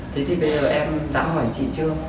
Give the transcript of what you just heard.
thế thì bây giờ em đã hỏi chị chưa